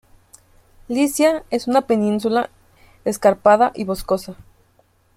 Licia es una península escarpada y boscosa.